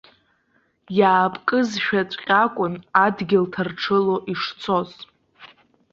Иаапкызшәаҵәҟьа акәын адгьыл ҭарҽыло ишцоз.